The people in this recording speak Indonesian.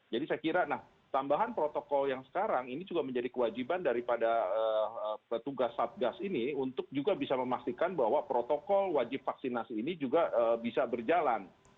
jadi saya kira nah tambahan protokol yang sekarang ini juga menjadi kewajiban daripada petugas satgas ini untuk juga bisa memastikan bahwa protokol wajib vaksinasi ini juga bisa berjalan